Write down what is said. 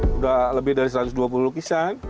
sudah lebih dari satu ratus dua puluh lukisan